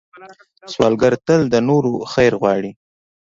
سوالګر تل د نورو خیر غواړي